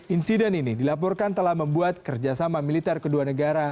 insiden ini dilaporkan telah membuat kerjasama militer kedua negara